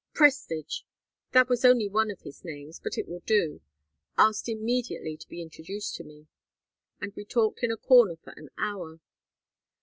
Prestage that was only one of his names, but it will do asked immediately to be introduced to me, and we talked in a corner for an hour.